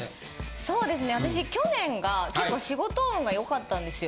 そうですね私去年が結構仕事運がよかったんですよ。